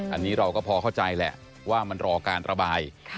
อันนี้เราก็พอเข้าใจแหละว่ามันรอการระบาย